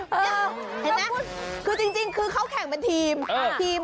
เห็นนะคือจริงเขาแข่งเป็นทีม